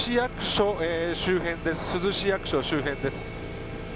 珠洲市役所周辺です。